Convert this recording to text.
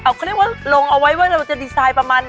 เขาเรียกว่าลงเอาไว้ว่าเราจะดีไซน์ประมาณไหน